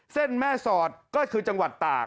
แม่สอดก็คือจังหวัดตาก